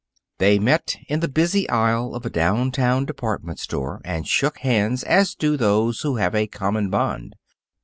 They met in the busy aisle of a downtown department store and shook hands as do those who have a common bond.